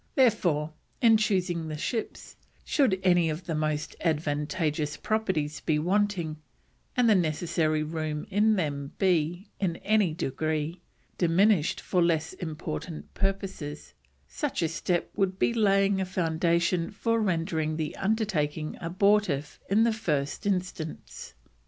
Therefore, in chusing the ships, should any of the most advantageous properties be wanting, and the necessary room in them be, in any degree, diminished for less important purposes, such a step would be laying a foundation for rendering the undertaking abortive in the first instance.